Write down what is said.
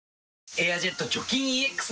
「エアジェット除菌ＥＸ」